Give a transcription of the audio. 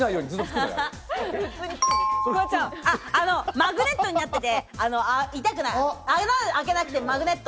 マグネットになってて痛くない。